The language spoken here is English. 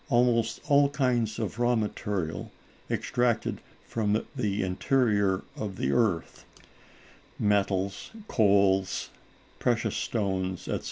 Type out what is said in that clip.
Almost all kinds of raw material extracted from the interior of the earth—metals, coals, precious stones, etc.